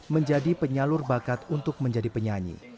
menjadi penyalur bakat untuk menjadi penyanyi